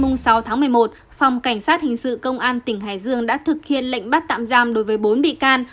ngày sáu tháng một mươi một phòng cảnh sát hình sự công an tỉnh hải dương đã thực hiện lệnh bắt tạm giam đối với bốn bị can